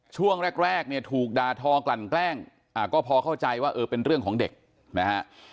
ช่วงแรกเนี่ยถูกด่าทอกลั่นแกล้งก็พอเข้าใจว่าเออเป็นเรื่องของเด็กนะฮะ